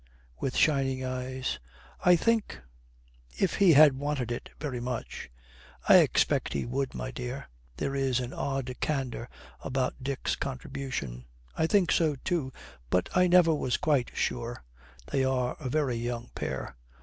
With shining eyes, 'I think if he had wanted it very much.' 'I expect he would, my dear.' There is an odd candour about Dick's contribution. 'I think so, too, but I never was quite sure.' They are a very young pair.